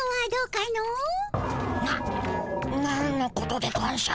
ななんのことでゴンショ。